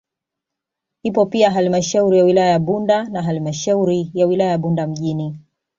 Ipo pia halmashauri ya wilaya ya Bunda na halmashauri ya wilaya ya Bunda mjini